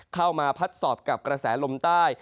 เข้ามาพัดสอบกับกระแสลมใต้